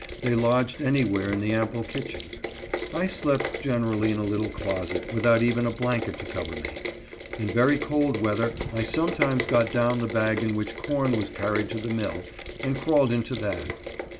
They lodged anywhere in the ample kitchen. I slept generally in a little closet, without even a blanket to cover me. In very cold weather I sometimes got down the bag in which corn was carried to the mill, and crawled into that.